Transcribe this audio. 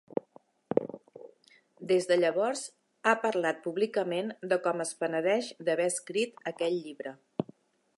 Des de llavors ha parlat públicament de com es penedeix d'haver escrit aquell llibre.